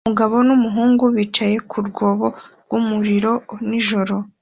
Umugabo n'umuhungu bicaye ku rwobo rw'umuriro nijoro